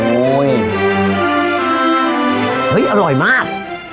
โอ้ยเฮ้ยอร่อยมาก